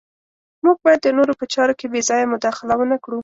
موږ باید د نورو په چارو کې بې ځایه مداخله ونه کړو.